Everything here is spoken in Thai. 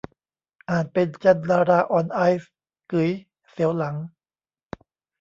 อ่านเป็น 'จันดารา ออน ไอซ์' กึ๋ย เสียวหลัง